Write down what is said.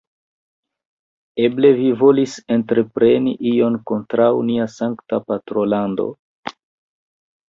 Eble vi volis entrepreni ion kontraŭ nia sankta patrolando?